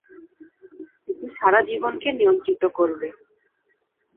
এটি সারা জীবনকে নিয়ন্ত্রিত করবে।